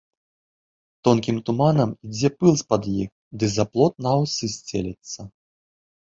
Тонкім туманам ідзе пыл з-пад іх ды за плот на аўсы сцелецца.